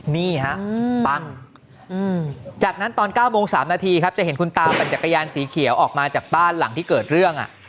นี่ฮะปั้งจากนั้นตอน๙โมง๓นาทีครับจะเห็นคุณตาปั่นจักรยานสีเขียวออกมาจากบ้านหลังที่เกิดเรื่อง